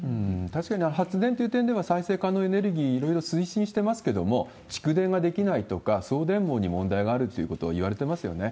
確かに、発電という点では、再生可能エネルギー、いろいろ推進してますけれども、蓄電ができないとか、送電網に問題があるということがいわれてますよね。